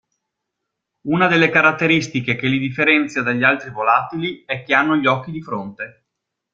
Una delle caratteristiche che lì differenza dagli altri volatili è che hanno gli occhi di fronte.